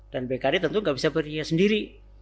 dan bkd tentu nggak bisa berdiri sendiri